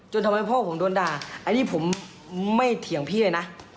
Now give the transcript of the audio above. ทำไมพ่อผมโดนด่าอันนี้ผมไม่เถียงพี่เลยนะ